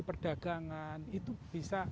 perdagangan itu bisa